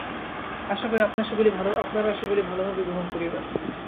আশা করি, আপনারা সেগুলি ভালভাবেই গ্রহণ করিবেন।